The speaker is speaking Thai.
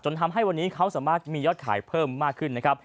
ทำให้วันนี้เขาสามารถมียอดขายเพิ่มมากขึ้นนะครับ